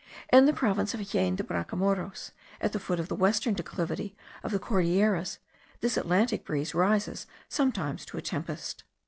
In the province of Jaen de Bracamoros, at the foot of the western declivity of the Cordilleras, this Atlantic breeze rises sometimes to a tempest.